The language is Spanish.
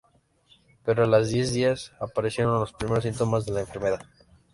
Pero a los diez días aparecieron los primeros síntomas de la enfermedad.